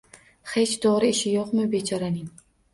Hech to'g'ri ishi yo'qmi bechoraning?